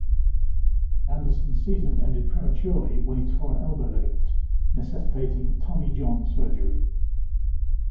Anderson's season ended prematurely when he tore an elbow ligament, necessitating Tommy John surgery.